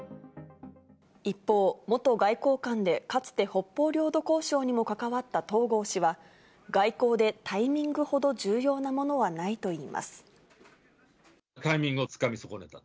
一方、元外交官で、かつて北方領土交渉にも関わった東郷氏は、外交でタイミングほどタイミングをつかみ損ねた。